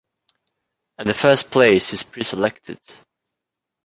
And the first place is pre-selected.